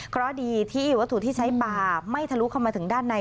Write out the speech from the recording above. เพราะดีที่วัตถุที่ใช้ปลาไม่ทะลุเข้ามาถึงด้านใน